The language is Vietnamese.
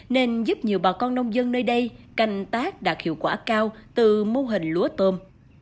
nên giúp nhiều bà con nông dân nơi đây canh tác đạt hiệu quả cao từ mô hình lúa tôm